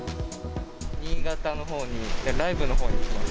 新潟のほうに、ライブのほうに行きます。